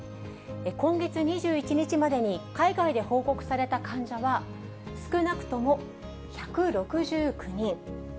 今月２１日までに海外で報告された患者は、少なくとも１６９人。